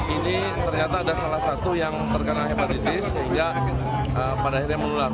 ini ternyata ada salah satu yang terkena hepatitis sehingga pada akhirnya menular